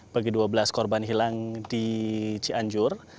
bagi dua belas korban hilang di cianjur